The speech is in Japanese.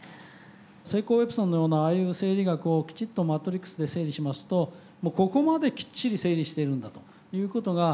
セイコーエプソンのようなああいう整理学をきちっとマトリックスで整理しますとここまできっちり整理しているんだということが見える。